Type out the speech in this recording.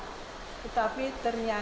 awalnya kita pikir dia diambil began